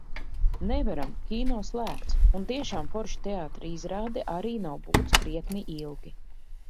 Nevaram, kino slēgts. Uz tiešām foršu teātra izrādi arī nav būts krietni ilgi.